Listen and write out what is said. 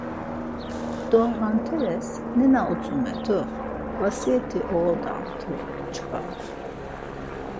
Do henteres nena utzumet̆u, vesiyeti oğodamt̆u çkva.